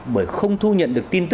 bởi không thu nhận được kết quả của thêu